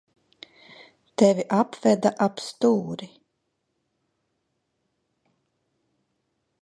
Tevi apveda ap stūri.